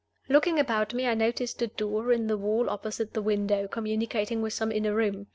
Looking about me, I noticed a door in the wall opposite the window, communicating with some inner room.